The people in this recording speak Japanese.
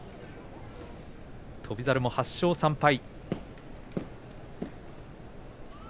翔猿も８勝３敗。